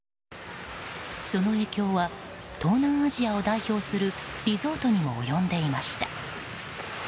その影響は東南アジアを代表するリゾートにも及んでいました。